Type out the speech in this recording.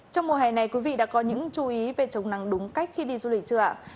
trong mùa hè này quý vị đã có những chú ý về chống nắng đúng cách khi đi du lịch chưa ạ